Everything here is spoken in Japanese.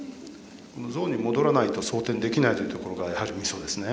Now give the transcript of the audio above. このゾーンに戻らないと装填できないというところがやはりミソですね。